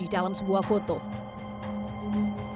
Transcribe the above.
dikatakan menjadi yang pertama yang menarik